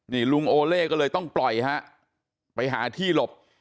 นี่ลุงโอเล่ก็เลยต้องปล่อยฮะไปหาที่หลบ